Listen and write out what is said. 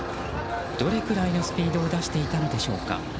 どれくらいのスピードを出していたのでしょうか。